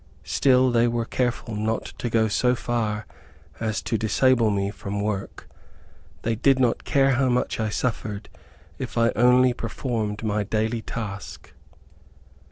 Still they were careful not to go so far as to disable me from work. They did not care how much I suffered, if I only performed my daily task.